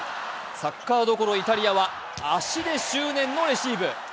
サッカーどころイタリアは足で執念のレシーブ。